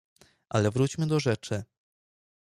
"Ale wróćmy do rzeczy."